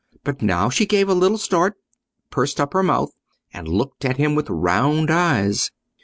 But now she gave a little start, pursed up her mouth, and looked at him with round eyes.